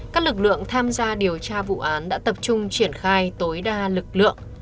các lực lượng tham gia điều tra vụ án đã tập trung triển khai tối đa lực lượng